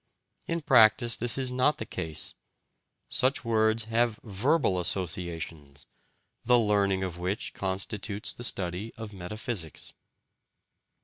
In practice, this is not the case: such words have VERBAL associations, the learning of which constitutes the study of metaphysics.